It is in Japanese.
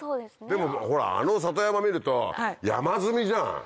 でもあの里山見ると山積みじゃん！